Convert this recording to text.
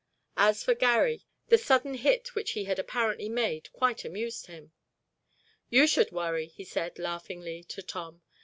As for Garry, the sudden hit which he had apparently made quite amused him. "You should worry," he said, laughingly to Tom.